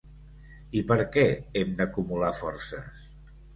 I per què hem d’acumular forces?